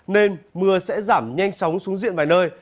nên mưa sẽ giảm nhanh chóng xuống diện vài nơi